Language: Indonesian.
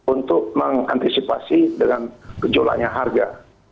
untuk mengantisipasi dengan gejolaknya harga